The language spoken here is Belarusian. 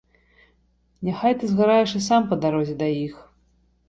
Няхай ты згараеш і сам па дарозе да іх.